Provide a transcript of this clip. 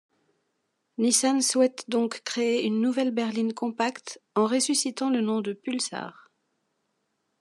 Nissan souhaite donc créer une nouvelle berline compacte en ressuscitant le nom de Pulsar.